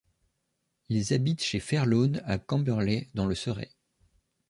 Ils habitent chez Fairlawn à Camberley dans le Surrey.